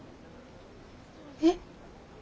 えっ？